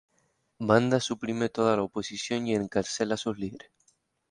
Banda suprime toda la oposición y encarcela a sus líderes.